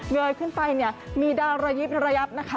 เงยขึ้นไปมีดารยิบระยับนะคะ